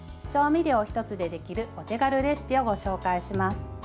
調味料１つでできるお手軽レシピをご紹介します。